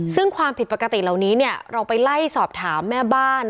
ซึ่งความผิดปกติเหล่านี้เนี่ยเราไปไล่สอบถามแม่บ้าน